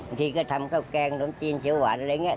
บางทีก็ทำข้าวแกงขนมจีนเขียวหวานอะไรอย่างนี้